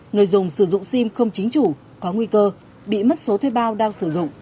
người dùng sử dụng sim không chính chủ có nguy cơ bị mất số thuê bao đang sử dụng